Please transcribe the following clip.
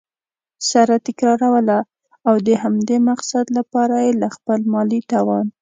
سره تكراروله؛ او د همدې مقصد له پاره یي له خپل مالي توان